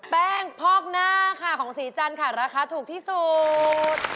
แป้งพอกหน้าค่ะของสีจันทร์ค่ะราคาถูกที่สุด